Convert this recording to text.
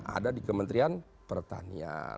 ada di kementerian pertanian